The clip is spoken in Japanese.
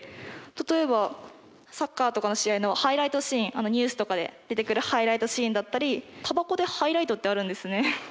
例えばサッカーとかの試合のハイライトシーンニュースとかで出てくるハイライトシーンだったりタバコでハイライトってあるんですね。